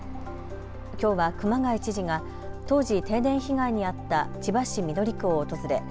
きょうは熊谷知事が当時、停電被害に遭った千葉市緑区を訪れ